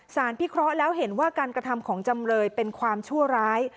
พิเคราะห์แล้วเห็นว่าการกระทำของจำเลยเป็นความชั่วร้าย